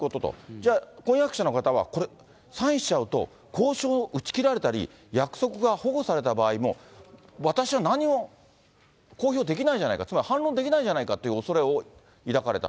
じゃあ、婚約者の方はこれ、サインしちゃうと、交渉打ち切られたり、約束がほごされた場合も、私は何も交渉できないじゃないか、つまり反論できないじゃないかというおそれを抱かれた。